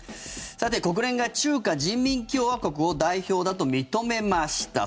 国連が中華人民共和国を代表だと認めました。